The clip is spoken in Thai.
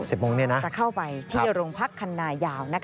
จะเข้าไปที่โรงพักคันนายาว